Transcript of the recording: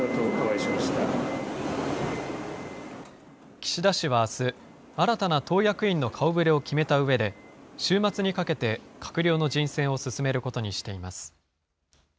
岸田氏はあす、新たな党役員の顔ぶれを決めたうえで、週末にかけて閣僚の人選を進めることにしています。